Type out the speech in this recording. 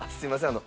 あの。